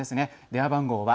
電話番号は＃